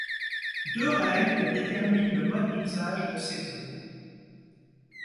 Deux règles déterminent le mode d'usage de ces eaux.